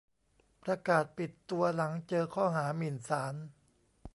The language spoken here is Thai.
ประกาศปิดตัว หลังเจอข้อหา "หมิ่นศาล"